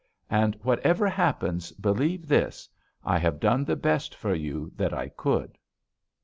And, whatever happens, believe this: I have done the best for you that I could!'